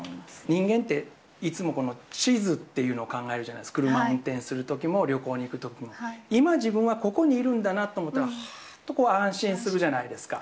人間っていつも地図っていうのを考えるじゃないですか、車を運転するときも、旅行に行くときも、今自分はここにいるんだなと思ったら、はーっと安心するじゃないですか。